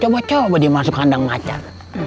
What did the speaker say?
coba coba dia masuk kandang macem